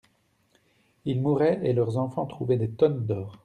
Ils mouraient, et leurs enfants trouvaient des tonnes d'or.